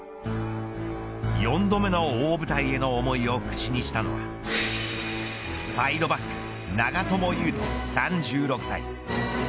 ４度目の大舞台への思いを口にしたのはサイドバック、長友佑都３６歳。